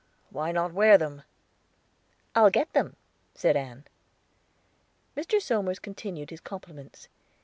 Why not wear them?" "I'll get them," said Ann. Mr. Somers continued his compliments.